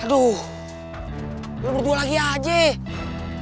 aduh lo berdua lagi aja